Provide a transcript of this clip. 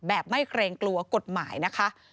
ไม่เกรงกลัวกฎหมายนะคะ